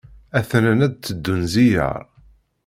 A-ten-an ad d-teddun zziyaṛ.